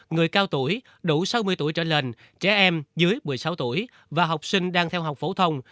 người cao tuổi đủ sáu mươi tuổi trở lên trẻ em dưới một mươi sáu tuổi và học sinh đang theo học phổ thông